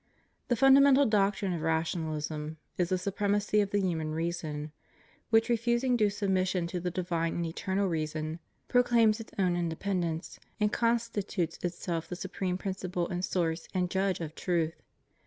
The fundamental doctrine of Rationalism is the supremacy of the hiunan reason, which, refusing due submission to the divine and eternal reason, proclaims its own independence, and constitutes itself the supreme principle and source and judge of truth.